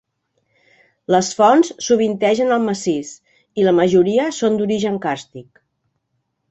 Les fonts sovintegen al massís, i la majoria són d'origen càrstic.